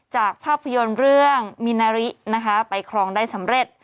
จากภาพยนตร์เรื่องมินารินะคะไปครองได้สำเร็จ